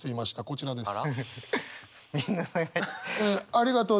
こちらです。